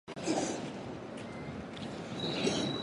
明岑贝尔格是德国黑森州的一个市镇。